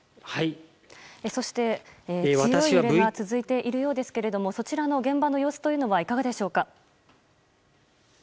そして、強い揺れが続いているようですがそちらの現場の様子というのはいかがでしょうか？